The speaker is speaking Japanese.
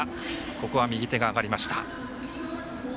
ここは右手が上がりました。